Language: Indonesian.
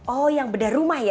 oh yang beda rumah ya